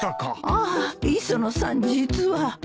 ああ磯野さん実は。